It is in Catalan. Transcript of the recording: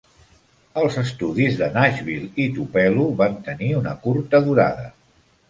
Els estudis de Nashville i Tupelo van tenir una curta durada.